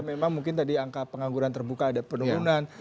memang mungkin tadi angka pengangguran terbuka ada penurunan